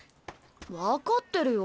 分かってるよ。